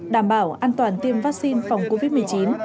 đảm bảo an toàn tiêm vaccine phòng covid một mươi chín